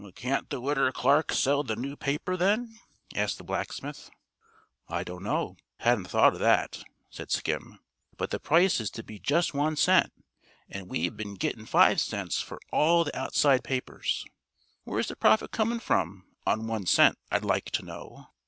"Can't the Widder Clark sell the new paper, then?" asked the blacksmith. "I dunno. Hadn't thought o' that," said Skim. "But the price is to be jus' one cent, an' we've ben gittin' five cents fer all the outside papers. Where's the profit comin' from, on one cent, I'd like to know?